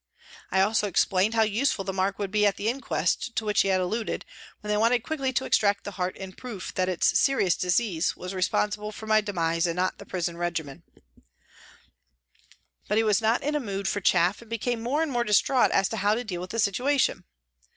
I also explained how useful the mark would be at the inquest, to which he had alluded, when they wanted quickly to extract the heart in proof that its " serious disease " was responsible for my demise and not the prison regimen. But he was not in a mood for chaff and became more and more distraught as to how to deal with the situation.